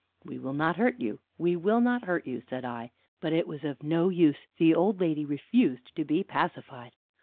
"We will not hurt you, we will not hurt you," said I. But it was of no use; the old lady refused to be pacified.